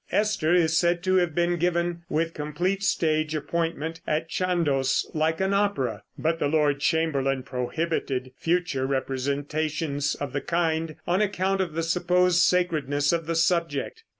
"Esther" is said to have been given with complete stage appointment at Chandos, like an opera; but the Lord Chamberlain prohibited future representations of the kind on account of the supposed sacredness of the subject.